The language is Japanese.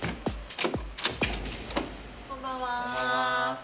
こんばんは。